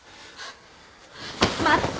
待って。